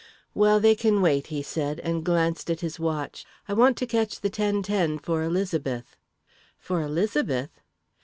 "Well, they can wait," he said, and glanced at his watch. "I want to catch the ten ten for Elizabeth." "For Elizabeth?"